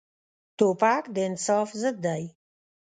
توپک د انصاف ضد دی.